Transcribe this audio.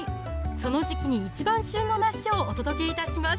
その時期に一番旬の梨をお届けいたします